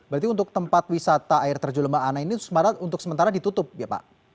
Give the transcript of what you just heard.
berarti untuk tempat wisata air terjun lembah anai ini untuk sementara ditutup ya pak